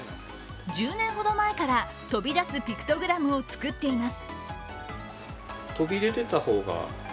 １０年ほど前から飛び出すピクトグラムを作っています。